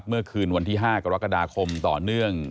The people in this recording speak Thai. เมื่อคืนวันที่๕กรกฎาคมต่อเนื่อง